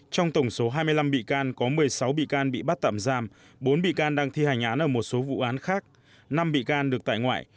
trong tổng số hai mươi năm bị can có một mươi sáu bị can bị bắt tạm giam bốn bị can đang thi hành án ở một số vụ án khác năm bị can được tại ngoại